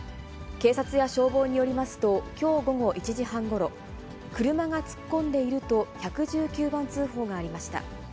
警察や消防によりますと、きょう午後１時半ごろ、車が突っ込んでいると１１９番通報がありました。